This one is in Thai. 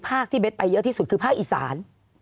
ที่เบ็ดไปเยอะที่สุดคือภาคอีสาน